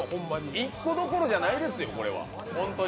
１個どころじゃないですよ、本当に。